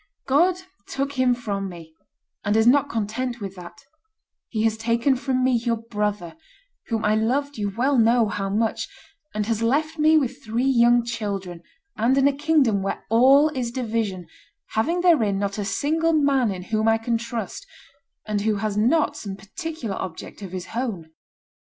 God took him from me, and is not content with that; He has taken from me your brother, whom I loved you well know how much, and has left me with three young children, and in a kingdom where all is division, having therein not a single man in whom I can trust, and who has not some particular object of his own."